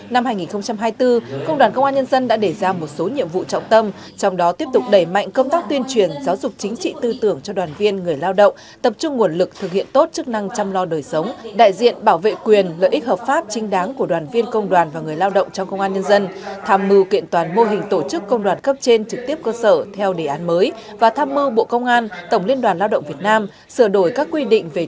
năm hai nghìn hai mươi bốn công đoàn công an nhân dân đã để ra một số nhiệm vụ trọng tâm trong đó tiếp tục đẩy mạnh công tác tuyên truyền giáo dục chính trị tư tưởng cho đoàn viên người lao động tập trung nguồn lực thực hiện tốt chức năng chăm lo đời sống đại diện bảo vệ quyền lợi ích hợp pháp trinh đáng của đoàn viên công đoàn và người lao động trong công an nhân dân tham mưu kiện toàn mô hình tổ chức công đoàn cấp trên trực tiếp cơ sở theo đề án mới và tham mưu bộ công an tổng liên đoàn lao động việt nam sửa đổi các quy